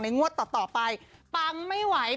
งวดต่อไปปังไม่ไหว